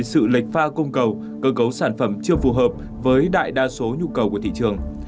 sự lệch pha cung cầu cơ cấu sản phẩm chưa phù hợp với đại đa số nhu cầu của thị trường